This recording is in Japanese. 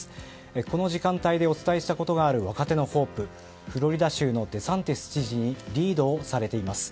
この時間帯でお伝えしたことがある若手のホープフロリダ州のデサンティス知事にリードをされています。